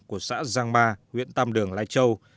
của xã giang ma huyện tam đường lai châu